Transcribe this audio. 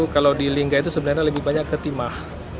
kalau di lingga itu sebenarnya lebih banyak ketimah